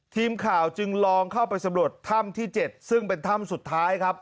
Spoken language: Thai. ทีมข่าวจึงลองเข้าไปสำรวจถ้ำที่๗ซึ่งเป็นถ้ำสุดท้ายครับ